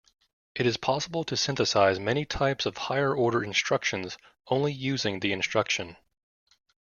It is possible to synthesize many types of higher-order instructions using only the instruction.